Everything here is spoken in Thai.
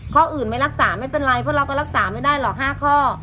ข้ออื่นไม่รักษาไม่เป็นไรเพราะเราก็รักษาไม่ได้หรอก๕ข้อ